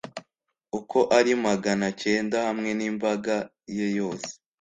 uko ari magana cyenda, hamwe n'imbaga ye yose